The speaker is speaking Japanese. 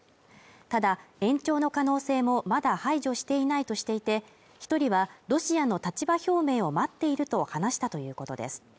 ただ、延長の可能性もまだ排除していないとしていて、１人はロシアの立場表明を待っていると話したということです。